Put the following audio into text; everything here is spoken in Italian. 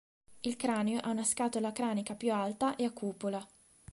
Il cranio ha una scatola cranica più alta e a cupola.